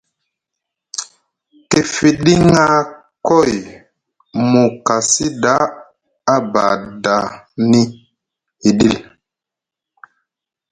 Ki fidiŋa koy mu kasi ɗa a badani hiɗil.